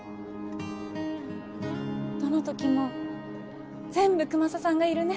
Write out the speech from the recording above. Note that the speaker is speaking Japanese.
どの時も全部くまささんがいるね